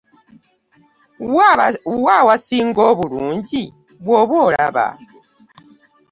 Wa awasinga obulungi bw'oba olaba?